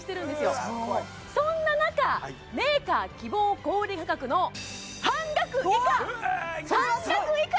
そうそんな中メーカー希望小売価格のはい半額以下！